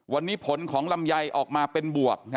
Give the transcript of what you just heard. วันนี้ผลของลำไยออกมาเป็นบวก